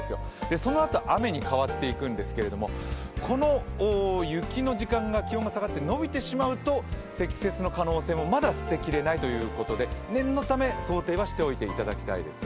そのあと雨に変わっていくんですけれども、この雪の時間が気温が下がって伸びてしまうと積雪の可能性もまだ捨てきれないということで念のため想定はしておいていただきたいですね。